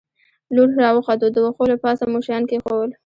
لوړ را وختو، د وښو له پاسه مو شیان کېښوول.